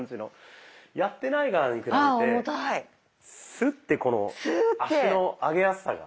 スッてこの足の上げやすさが。